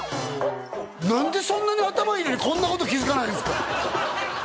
何でそんなに頭いいのにこんなこと気づかないんですか？